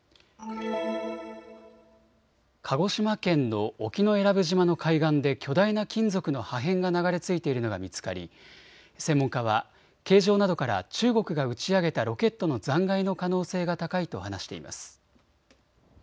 鹿児島県の沖永良部島の海岸で巨大な金属の破片が流れ着いているのが見つかり専門家は形状などから中国が打ち上げたロケットの残骸の可能性が高いと話しています。